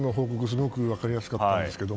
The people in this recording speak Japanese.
すごく分かりやすかったんですが